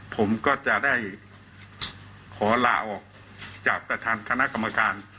ผมก็จะได้ขอลาออกจากประธานคณะกรรมการ